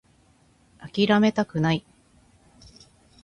諦めたくない